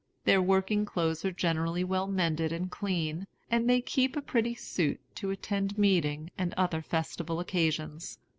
Their working clothes are generally well mended and clean, and they keep a pretty suit to attend meeting and other festival occasions.